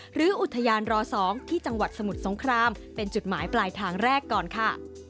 หรืออุทยานร๒ที่จังหวัดสมุทรสงครามเป็นจุดหมายปลายทางแรกก่อนค่ะ